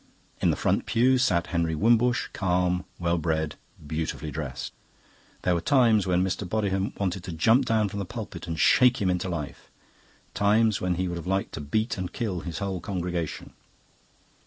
In the front pew sat Henry Wimbush, calm, well bred, beautifully dressed. There were times when Mr. Bodiham wanted to jump down from the pulpit and shake him into life, times when he would have liked to beat and kill his whole congregation.